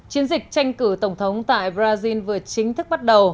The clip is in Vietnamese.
chiến dịch tranh cử tổng thống tại brazil vừa chính thức bắt đầu